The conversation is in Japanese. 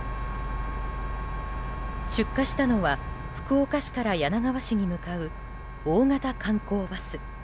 出火したのは福岡市から柳川市に向かう大型観光バス。